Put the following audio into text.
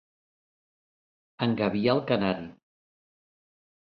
Engabiar el canari.